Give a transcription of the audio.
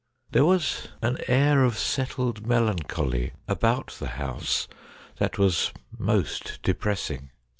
There was an air of settled melancholy about the house that was most depressing.